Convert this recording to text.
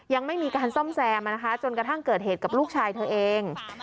ยังไม่มีการซ่อมแซมจนกระทั่งเกิดเหตุกับลูกชายเธอเอง